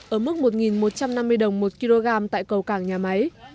ở mức một một trăm năm mươi đồng một kg tại cầu cảng nhà máy